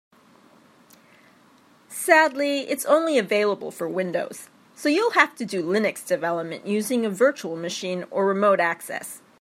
Sadly, it's only available for Windows, so you'll have to do Linux development using a virtual machine or remote access.